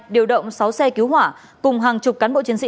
điều động sáu xe cứu hỏa cùng hàng chục cán bộ chiến sĩ